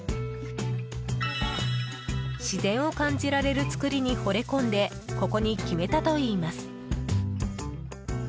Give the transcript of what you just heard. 自然を感じられる作りにほれ込んでここに決めたといいます。